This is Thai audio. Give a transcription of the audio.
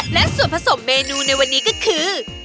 และส่วนผสมเมนูในวันนี้ก็คือ